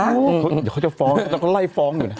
อุ้ยอย่าโควดใจฟ้องาคพรค์เล่นฟัง